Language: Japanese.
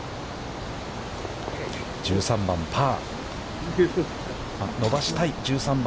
１３番パー。